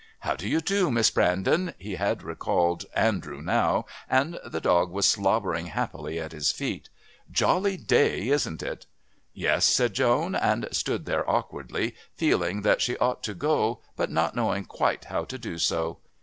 "How do you do, Miss Brandon?" He had recalled Andrew now, and the dog was slobbering happily at his feet. "Jolly day, isn't it?" "Yes," said Joan, and stood there awkwardly, feeling that she ought to go but not knowing quite how to do so.